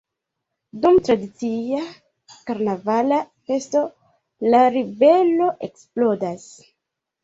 Dum tradicia karnavala festo la ribelo eksplodas.